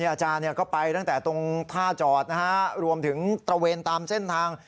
อาจารย์ก็ไปตรงท่าจอดรวมถึงตระเวนตามเส้นทาง